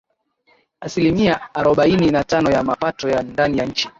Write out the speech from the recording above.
Asilimia arobaini na tano ya mapato ya ndani ya nchi